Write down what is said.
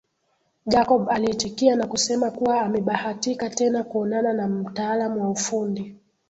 Jacob aliitikia na kusema kuwa amebahatika tena kuonana na mtaalamu wa ufundi